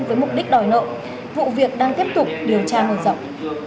với mục đích đòi nộ vụ việc đang tiếp tục điều tra ngồi rộng